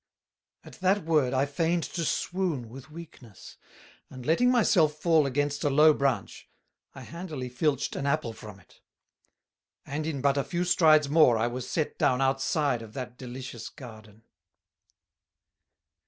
At that word I feigned to swoon with weakness, and letting my self fall against a low branch I handily filched an Apple from it. And in but a few strides more I was set down outside of that delicious Garden.